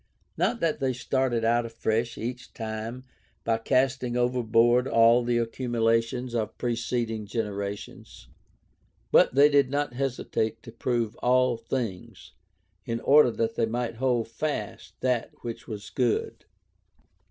Not that they started out afresh each time by casting overboard all the accumulations of preceding generations, but they did not hesitate to "prove all things" in order that they might "hold fast that which was good."